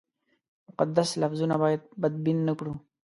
مقدس لفظونه باید بدبین نه کړو.